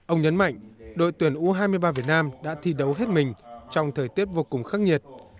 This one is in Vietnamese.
ông nhấn mạnh đội tuyển u hai mươi ba việt nam đã thi đấu hết mình trong thời tiết vô cùng khắc nghiệt